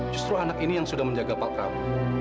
justru anak ini yang sudah menjaga pak prabu